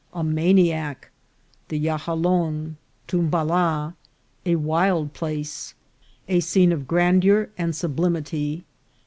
— A Maniac. — The Yahalon. — Tumbala. — A wild Place. — A Scene of Grandeur and Sublimity.